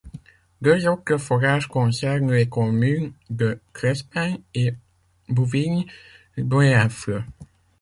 Deux autres forages concernent les communes de Crespin et Bouvigny-Boyeffles.